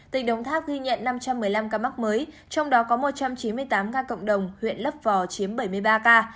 tỉnh đồng tháp ghi nhận năm trăm một mươi năm ca mắc mới trong đó có một trăm chín mươi tám ca cộng đồng huyện lấp vò chiếm bảy mươi ba ca